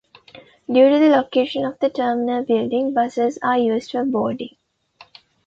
Due to the location of the terminal building buses are used for boarding.